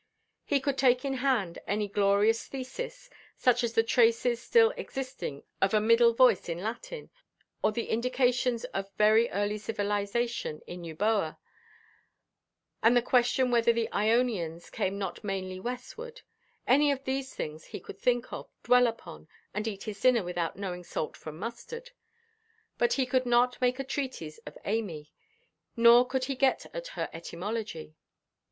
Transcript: He could take in hand any glorious thesis, such as the traces still existing of a middle voice in Latin, or the indications of very early civilization in Eubœa, and the question whether the Ionians came not mainly westward—any of these things he could think of, dwell upon, and eat his dinner without knowing salt from mustard. But he could not make a treatise of Amy, nor could he get at her etymology.